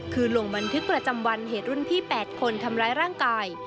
คือลงบันทึกประจำวันเหตุรุ่นพี่๘คนทำร้ายร่างกาย